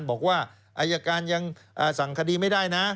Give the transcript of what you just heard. บอกว่าอายการยังสั่งคดีไม่ได้นะ